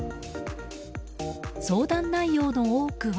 相談内容の多くは。